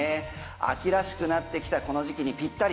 秋らしくなってきたこの時期にぴったり。